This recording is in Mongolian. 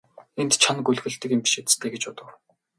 Энд чоно гөлөглөдөг юм биш биз дээ гэж бодов.